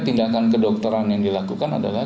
tindakan kedokteran yang dilakukan adalah